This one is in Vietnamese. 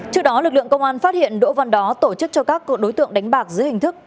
trước đó lực lượng công an phát hiện đỗ văn đó tổ chức cho các đối tượng đánh bạc dưới hình thức